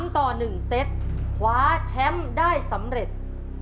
ต่อ๑เซตคว้าแชมป์ได้สำเร็จ